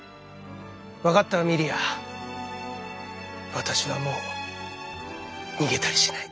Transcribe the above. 私はもう逃げたりしない。